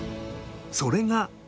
それが。